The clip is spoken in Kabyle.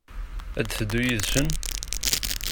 Ad d-teddu yid-sen?